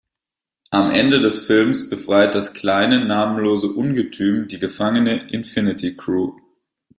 Am Ende des Films befreit das kleine, namenlose Ungetüm die gefangene Infinity-Crew.